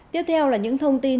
tiếp theo là những thông tin